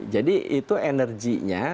jadi itu energinya